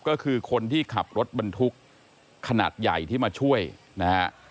ก็คือคนที่ขับรถบรรทุกขนาดใหญ่ที่มาช่วยนะฮะ